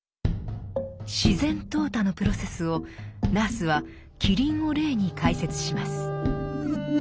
自然淘汰のプロセスをナースはキリンを例に解説します。